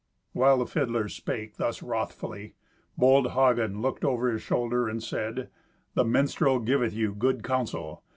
While the fiddler spake thus wrothfully, bold Hagen looked over his shoulder and said, "The minstrel giveth you good counsel.